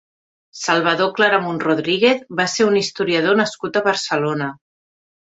Salvador Claramunt Rodríguez va ser un historiador nascut a Barcelona.